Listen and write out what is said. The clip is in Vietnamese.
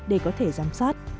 để có thể giám sát